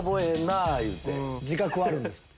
自覚はあるんですか？